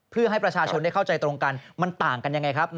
เพื่อให้ประชาชนได้เข้าใจตรงกันมันต่างกันยังไงครับ